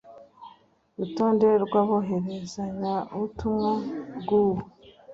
rutonde rw aboherezanyabutumwa bw uwo